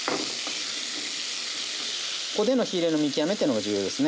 ここでの火入れの見極めというのが重要ですね。